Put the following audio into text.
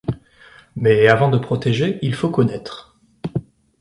Mais avant de protéger, il faut connaître.